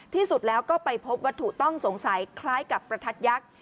ที่สุดแล้วก็ไปพบวัตถุต้องสงสัยคล้ายกับประทัดยักษ์